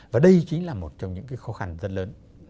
và đây chính là một trong những cái khó khăn rất lớn